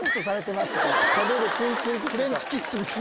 フレンチキッスみたい。